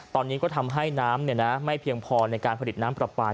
ตอนนี้ก็ทำให้น้ำไม่เพียงพอในการผลิตน้ำปลาปลา